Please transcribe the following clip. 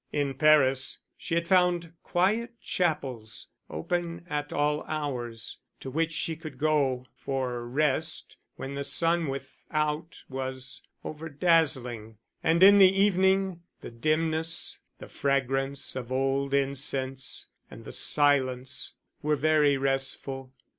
In Paris she had found quiet chapels, open at all hours, to which she could go for rest when the sun without was over dazzling; and in the evening, the dimness, the fragrance of old incense, and the silence, were very restful.